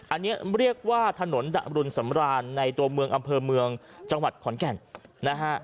อันนี้เรียกว่าถนนดับรุนสำราญในตัวเมืองอำเภอเมืองจังหวัดขอนแก่นนะฮะ